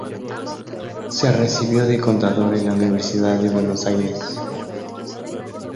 Se recibió de contador en la Universidad de Buenos Aires.